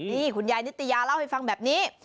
นี่คุณยายนิตยาเล่าให้ฟังแบบนี้